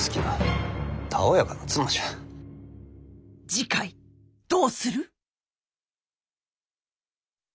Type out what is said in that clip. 次回どうする？